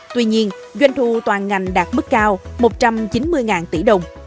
tuy nhiên doanh thu toàn ngành đạt mức cao một trăm chín mươi tỷ đồng